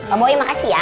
om boim makasih ya